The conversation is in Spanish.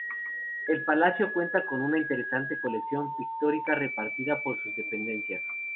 El palacio cuenta con una interesante colección pictórica repartida por sus dependencias.